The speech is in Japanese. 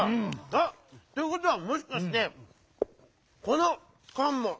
あっ！ということはもしかしてこのかんも。